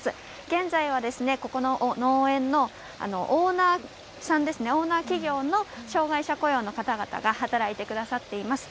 現在はここの農園のオーナーさんですね、オーナー企業の障害者雇用の方々が働いてくださっています。